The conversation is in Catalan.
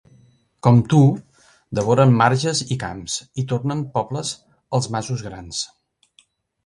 Com tu, devoren marges i camps, i tornen pobles els masos grans.